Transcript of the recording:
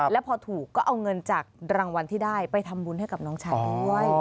แล้วพอถูกก็เอาเงินจากรางวัลที่ได้ไปทำบุญให้กับน้องชายด้วย